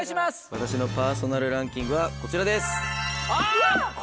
私のパーソナルランキングはこちらです！